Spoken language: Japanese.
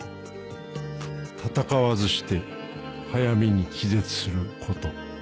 戦わずして早めに気絶すること